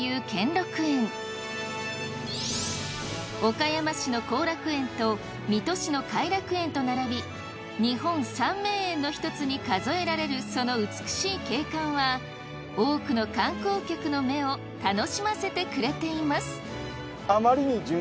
岡山市の後楽園と水戸市の偕楽園と並び日本三名園の一つに数えられるその美しい景観は多くの観光客の目を楽しませてくれています。